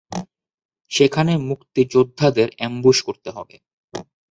সেখানে মুক্তিযোদ্ধাদের অ্যামবুশ করতে হবে।